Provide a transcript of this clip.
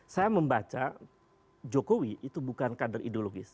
saya membaca jokowi itu bukan kader ideologis